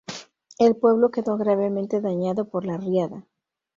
El pueblo quedó gravemente dañado por la riada.